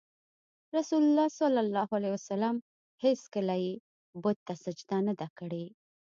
رسول الله ﷺ هېڅکله یې بت ته سجده نه ده کړې.